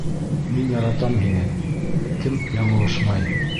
Мин яратам һине, кем яңылышмай.